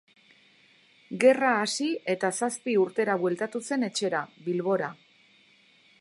Gerra hasi eta zazpi urtera bueltatu zen etxera, Bilbora.